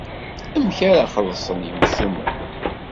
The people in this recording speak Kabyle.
Amek ara xellṣen yimcumen?